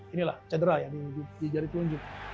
inilah cedera yang di jari telunjuk